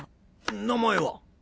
名前は？